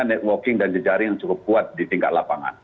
networking dan jejaring yang cukup kuat di tingkat lapangan